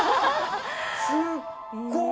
すっごー！